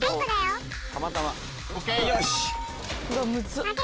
よし！